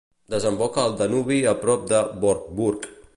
Desemboca al Danubi a prop de Vohburg.